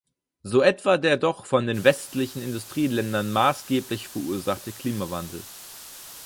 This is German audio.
So etwa der doch von den westlichen Industrieländern maßgeblich verursachte Klimawandel.